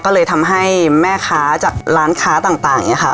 ก็เลยทำให้แม่ค้าจากร้านค้าต่างอย่างนี้ค่ะ